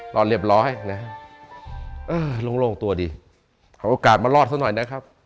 รอดเรียบร้อยนะฮะเออโล่งตัวดีเอาโอกาสมารอดซะหน่อยนะครับ